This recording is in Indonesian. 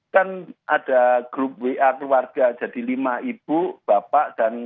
kan dia juga bercerita dengan keluarga ya pak ya